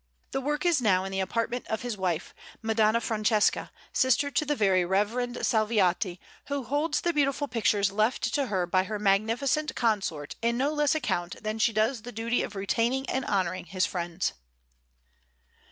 The work is now in the apartment of his wife, Madonna Francesca, sister to the very reverend Salviati, who holds the beautiful pictures left to her by her magnificent consort in no less account than she does the duty of retaining and honouring his friends.